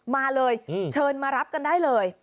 มาเลยเชิญมารับกันได้เลย